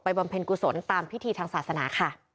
เพ็ญกุศลตามพิธีทางศาสนาค่ะ